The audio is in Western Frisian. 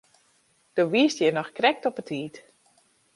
Do wiest hjir noch krekt op 'e tiid.